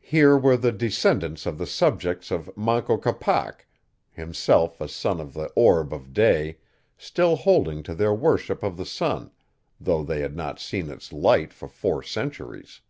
Here were the descendants of the subjects of Manco Capac, himself a son of the orb of day, still holding to their worship of the sun, though they had not seen its light for four centuries.